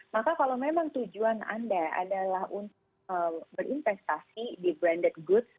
maka kalau memang tujuan anda adalah untuk berinvestasi di branded good